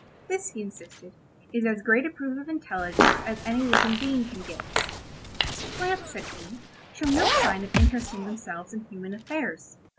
This, he insisted, is as great a proof of intelligence as any living being can give. "Plants," said he, "show no sign of interesting themselves in human affairs.